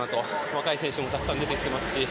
若い選手も出てきていますし。